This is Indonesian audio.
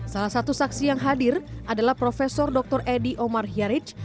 salah satu saksi yang hadir adalah prof dr edy omar hyaric